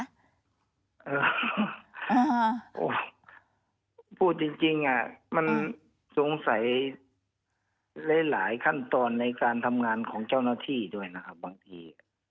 พูดจริงอ่ะมันสงสัยหลายหลายขั้นตอนในการทำงานของเจ้าหน้าที่ด้วยนะครับบางที